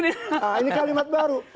ini kalimat baru